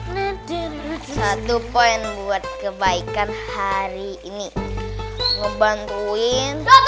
ngederut satu poin buat kebaikan hari ini ngebantuin